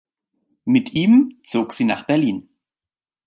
Mit ihm zog sie nach Berlin.